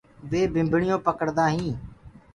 وي ڀمڀڻيونٚ پڙدآ هينٚ۔